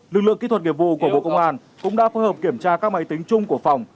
lực lượng kỹ thuật nghiệp vụ của bộ công an cũng đã phối hợp kiểm tra các máy tính chung của phòng